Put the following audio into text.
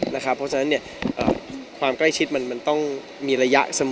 เพราะฉะนั้นความใกล้ชิดมันต้องมีระยะเสมอ